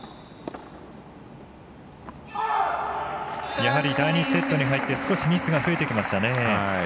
やはり第２セットに入って少しミスが増えてきましたね。